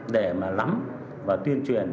để lắm và tuyên truyền